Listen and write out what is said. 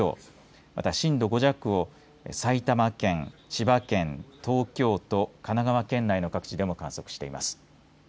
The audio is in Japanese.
また、震度５弱を埼玉県千葉県、東京都、神奈川県内の各地でも観測しています。